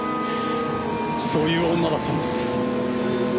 そういう女だったんです。